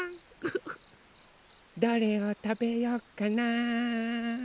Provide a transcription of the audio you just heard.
どれをたべよっかな。